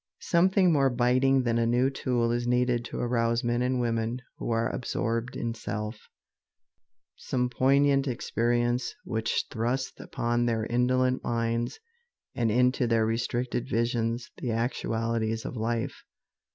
Something more biting than a new tool is needed to arouse men and women who are absorbed in self some poignant experience which thrusts upon their indolent minds and into their restricted visions the actualities of life.